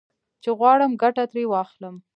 چې غواړم ګټه ترې واخلم.